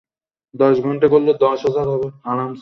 আমার মনে হয়, তাঁকে ব্যাপারটা জানানো উচিত।